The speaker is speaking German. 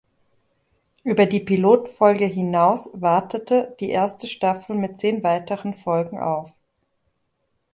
Über die Pilotfolge hinaus wartete die erste Staffel mit zehn weiteren Folgen auf.